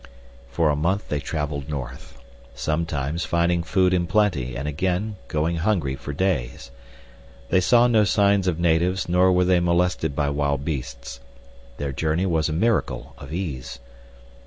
For a month they traveled north. Sometimes finding food in plenty and again going hungry for days. They saw no signs of natives nor were they molested by wild beasts. Their journey was a miracle of ease.